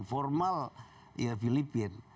formal ya filipin